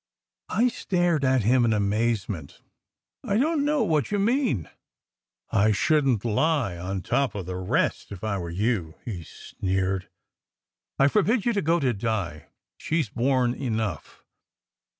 I stared at him in amazement. "I don t know what you mean!" "I shouldn t lie on top of the rest, if I were you," he sneered. "I forbid you to go to Di. She s borne enough.